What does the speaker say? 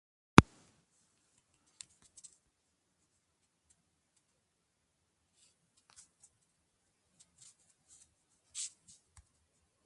کم مانده بود که کشته شود